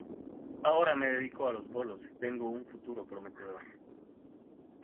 Ahora me dedico a los bolos y tengo un futuro prometedor.